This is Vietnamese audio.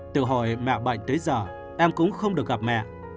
từ hồi mẹ bạn tới giờ em cũng không được gặp mẹ